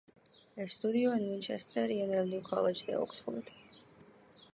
Estudió en Winchester y en el New College de Oxford.